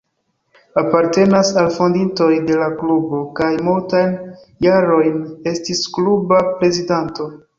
Apartenas al fondintoj de la klubo kaj multajn jarojn estis kluba prezidanto.